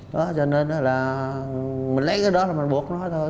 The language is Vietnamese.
đó cho nên là mình lấy cái đó là mình buộc nó thôi